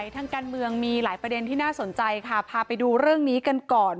ทางการเมืองมีหลายประเด็นที่น่าสนใจค่ะพาไปดูเรื่องนี้กันก่อน